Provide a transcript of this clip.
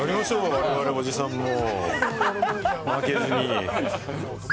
我々、おじさんも負けずに。